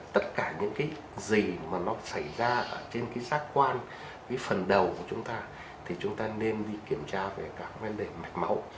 tất cả những cái gì mà nó xảy ra ở trên cái giác quan cái phần đầu của chúng ta thì chúng ta nên đi kiểm tra về các vấn đề mạch máu